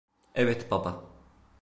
Evet baba.